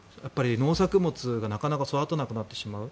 農作物がなかなか育たなくなってしまう。